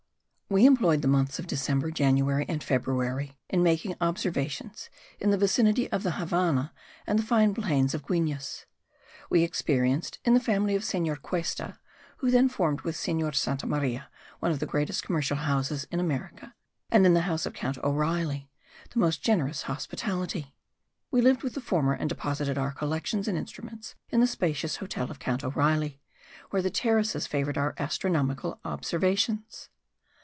We employed the months of December, January and February in making observations in the vicinity of the Havannah and the fine plains of Guines. We experienced, in the family of Senor Cuesta (who then formed with Senor Santa Maria one of the greatest commercial houses in America) and in the house of Count O'Reilly, the most generous hospitality. We lived with the former and deposited our collections and instruments in the spacious hotel of Count O'Reilly, where the terraces favoured our astronomical observations.